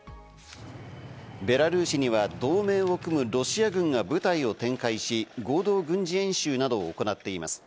ベラルーシには同盟を組むロシア軍が部隊を展開し、合同軍事演習などを行っています。